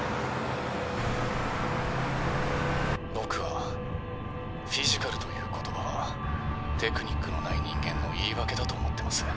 「僕はフィジカルという言葉はテクニックのない人間の言い訳だと思ってます。